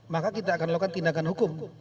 maka kita akan melakukan tindakan hukum